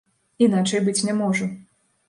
Іначай быць не можа.